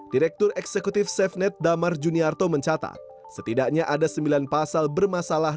direktur eksekutif safenet damar juniarto mencatat setidaknya ada sembilan pasal bermasalah